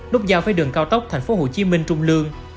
nút giao với đường cao tốc tp hcm trung lương